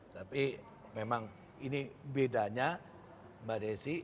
tapi memang ini bedanya mbak desi